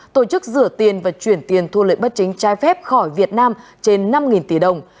tổ chức rửa tiền và chuyển tiền thu lợi bất chính trai phép khỏi việt nam trên năm tỷ đồng